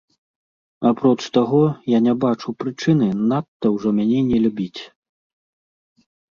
Апроч таго, я не бачу прычыны надта ўжо мяне не любіць.